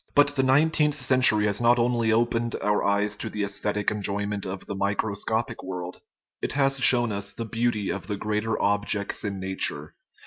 But the nineteenth century has not only opened our eyes to the aesthetic enjoyment of the microscopic world ; it has shown us the beauty of the greater objects in nature.